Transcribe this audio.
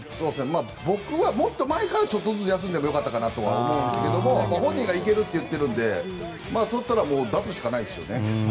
僕はもっと前からちょっとずつ休んでも良かったと思うんですが本人が行けると言っているのでそうしたら出すしかないですよね。